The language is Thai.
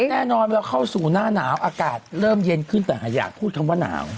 แน่นอนเวลาเข้าสู่หน้าหนาวอากาศเริ่มเย็นขึ้นแต่อยากพูดคำว่าหนาว